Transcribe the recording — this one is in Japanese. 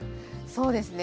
そうですね。